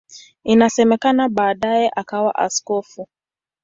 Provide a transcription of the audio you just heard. Inasemekana baadaye akawa askofu.